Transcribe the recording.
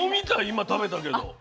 今食べたけど。